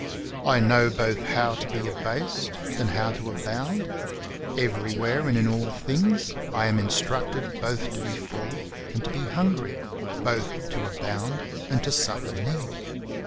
I know both how to be abased and how to abound ; everywhere and in all things I am instructed both to be full and to be hungry, both to abound and to suffer need.